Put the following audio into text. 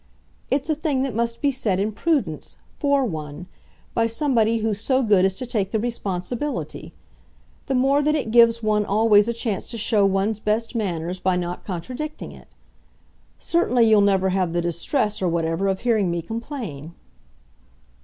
It's a thing that must be said, in prudence, FOR one by somebody who's so good as to take the responsibility: the more that it gives one always a chance to show one's best manners by not contradicting it. Certainly, you'll never have the distress, or whatever, of hearing me complain."